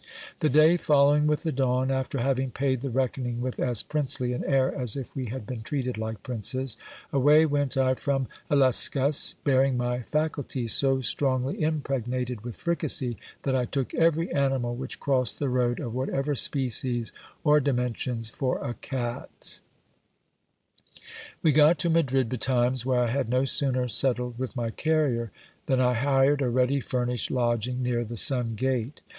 The day following with the dawn, after having paid the reckoning with as princely an air as if we had been treated like princes, away went I from Illescas, bearing my faculties so strongly impregnated with fricassee, that I took every animal which crossed the road, of whatever species or dimensions, for a cat scinas STORY. We got to Madrid betimes, where I had no sooner settled with my carrier than I hired a ready furnished lodging near the Sun gate.